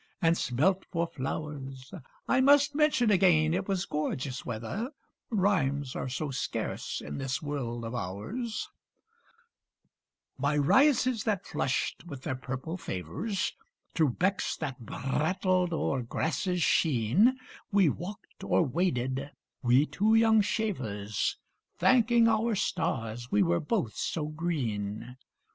and smelt for flowers: I must mention again it was gorgeous weather, Rhymes are so scarce in this world of ours: By rises that flushed with their purple favors, Thro' becks that brattled o'er grasses sheen, We walked or waded, we two young shavers, Thanking our stars we were both so green.